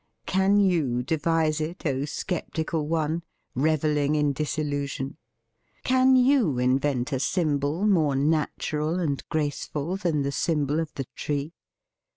Can THE FEAST OF ST FRIEND you devise it, O sceptical one, revelling in disillusion? Can you invent a sym bol more natural and graceful than the symbol of the Tree?